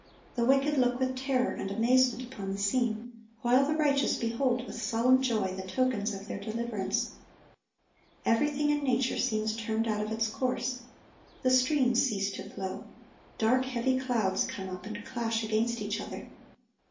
The wicked look with terror and amazement upon the scene, while the righteous behold with solemn joy the tokens of their deliverance. Everything in nature seems turned out of its course. The streams cease to flow. Dark, heavy clouds come up, and clash against each other.